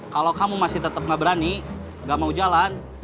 kalau kamu masih tetap nggak berani gak mau jalan